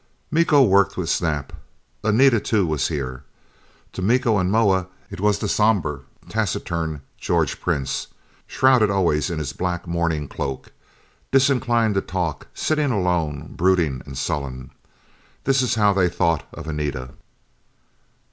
Miko worked with Snap. Anita too was here. To Miko and Moa it was the somber, taciturn George Prince, shrouded always in his black mourning cloak, disinclined to talk; sitting alone, brooding and sullen. This is how they thought of Anita.